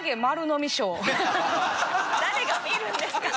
誰が見るんですか？